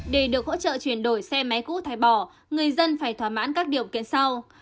để được hỗ trợ chuyển đổi xe máy cũ thái bỏ người dân phải thỏa mãn các điều kiện sau